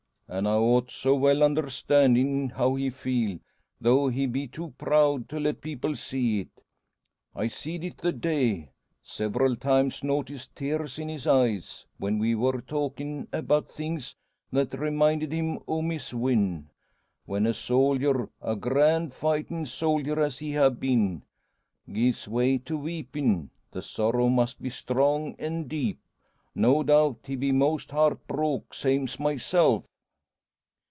An' I ought, so well understandin' how he feel, though he be too proud to let people see it. I seed it the day several times noticed tears in his eyes, when we wor talkin' about things that reminded him o' Miss Wynn. When a soldier a grand fightin' soldier as he ha' been gies way to weepin', the sorrow must be strong an' deep. No doubt, he be 'most heart broke, same's myself."